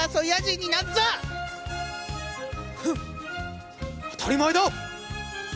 フンッ当たり前だ！